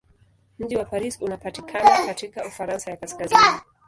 Mji wa Paris unapatikana katika Ufaransa ya kaskazini.